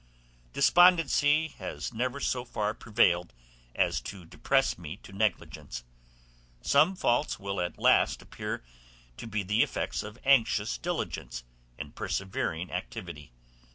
Despondency has never so far prevailed as to depress me to negligence; some faults will at last appear to be the effects of anxious diligence and persevering activity.